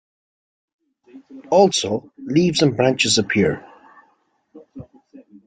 Also, leaves and branches appear.